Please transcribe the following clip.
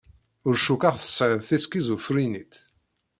Ur cukkeɣ tesɛiḍ tiskizufrinit.